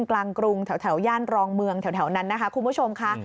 กรุงแถวย่านรองเมืองแถวนั้นนะคะคุณผู้ชมค่ะ